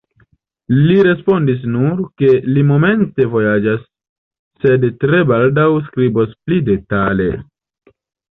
Li respondis nur, ke li momente vojaĝas, sed tre baldaŭ skribos pli detale.